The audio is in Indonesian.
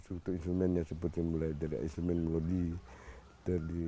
struktur instrumennya seperti mulai dari instrumen melodi